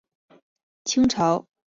清朝第五代车臣汗。